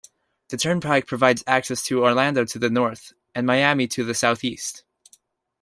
The Turnpike provides access to Orlando to the north, and Miami to the southeast.